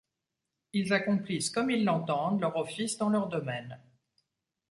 Ils accomplissent comme ils l’entendent leur office dans leur domaine.